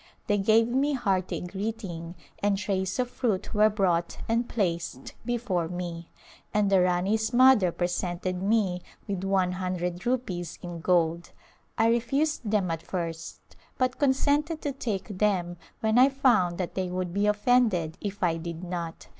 They gave me hearty greeting, and trays of fruit were brought and placed before me, and the Rani's mother presented me with one hundred rupees in gold. I refused them at first but consented to take them when I found that they would be offended if I did not.